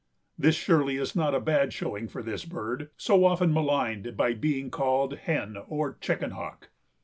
This surely is not a bad showing for this bird, so often maligned by being called "hen" or "chicken hawk."